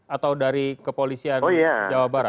atau dari kepolisian jawa barat